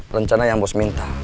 rencana yang bos minta